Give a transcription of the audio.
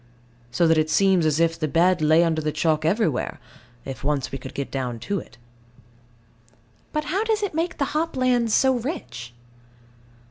So that it seems as if the bed lay under the chalk everywhere, if once we could get down to it. But how does it make the hop lands so rich?